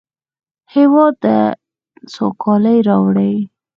هېواد ته سوکالي راوړئ